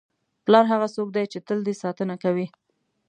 پلار هغه څوک دی چې تل دې ساتنه کوي.